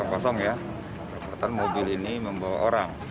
kekuatan mobil ini membawa orang